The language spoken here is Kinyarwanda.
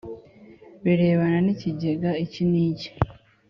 birebana n ikigega iki n iki